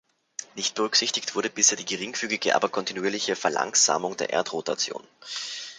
Nicht berücksichtigt wurde bisher die geringfügige, aber kontinuierliche Verlangsamung der Erdrotation.